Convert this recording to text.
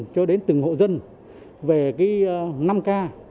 cho đến từng hộ dân về năm ca